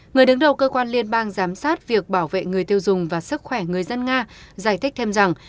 người đứng đầu cơ quan liên bang giám sát việc bảo vệ người tiêu dùng và sức khỏe người dân nga giải thích thêm rằng